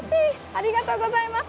ありがとうございます。